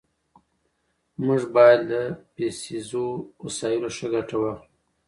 موږ بايد له پيسيزو وسايلو ښه ګټه واخلو.